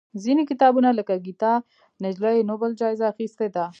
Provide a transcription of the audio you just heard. ځینې کتابونه لکه ګیتا نجلي یې نوبل جایزه اخېستې ده.